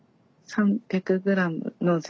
３００ｇ。